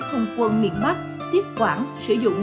không quân miền bắc tiếp quản sử dụng